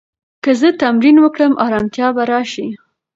که زه تمرین وکړم، ارامتیا به راشي.